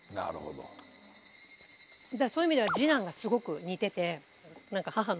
そういう意味では二男がすごく。